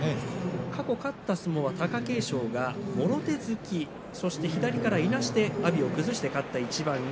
過去勝った相撲貴景勝がもろ手突きそして左からいなして阿炎を崩して勝っています。